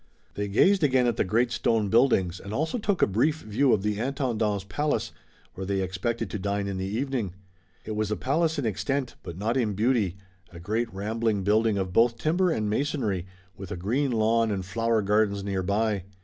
They gazed again at the great stone buildings and also took a brief view of the Intendant's palace, where they expected to dine in the evening. It was a palace in extent, but not in beauty, a great rambling building of both timber and masonry, with a green lawn and flower gardens near by.